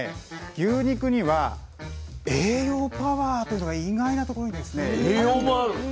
牛肉には栄養パワーというのが意外なところにあるんです。